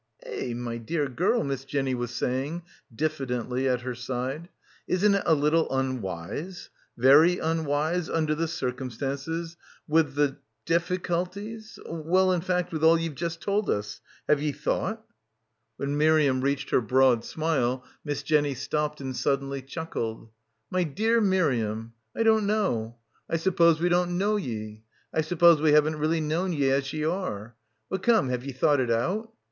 "Eh — my dear girl," Miss Jenny was saying diffidently at her side, "isn't it a little unwise — very unwise — under the circumstances — with the difficulties — well, in fact with all ye've just told us — have ye thought?" When Miriam reached — 264 — BACKWATER her broad smile Miss Jenny stopped and suddenly chuckled. "My dear Miriam! I don't know. I suppose we don't know ye. I suppose we haven't really known ye as ye are. But come, have ye thought it out?